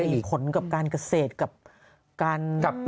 มีผลกับการเกษตร